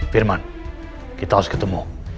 firman kita harus ketemu